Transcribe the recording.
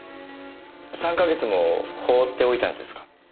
３か月も放っておいたんですか？